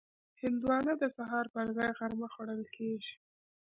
هندوانه د سهار پر ځای غرمه خوړل کېږي.